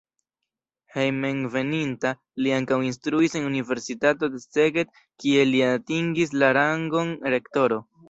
Hejmenveninta li ankaŭ instruis en universitato de Szeged, kie li atingis la rangon rektoro.